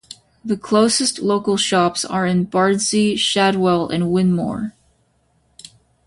The closest local shops are in Bardsey, Shadwell and Whinmoor.